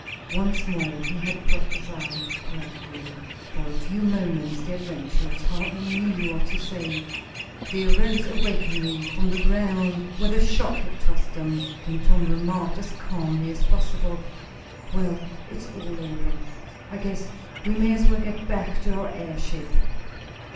Once more he had prophesied correctly. For a few minutes the adventurers hardly knew what to say. They arose awkwardly from the ground where the shock had tossed them. Then Tom remarked, as calmly as possible: "Well, it's all over. I guess we may as well get back to our airship."